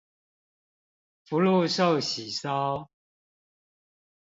福祿壽喜燒